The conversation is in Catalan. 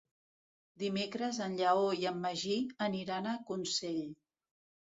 Dimecres en Lleó i en Magí aniran a Consell.